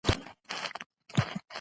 او د قدرت انتقال یې